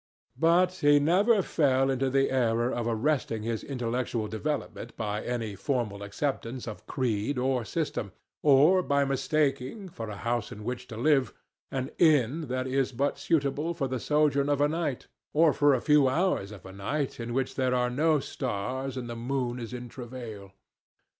But he never fell into the error of arresting his intellectual development by any formal acceptance of creed or system, or of mistaking, for a house in which to live, an inn that is but suitable for the sojourn of a night, or for a few hours of a night in which there are no stars and the moon is in travail.